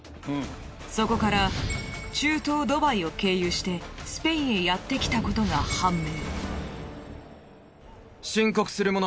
そこから中東ドバイを経由してスペインへやって来たことが判明。